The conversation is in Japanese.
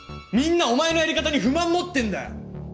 みんなお前のやり方に不満持ってんだよ！